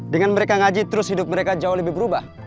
dengan mereka ngaji terus hidup mereka jauh lebih berubah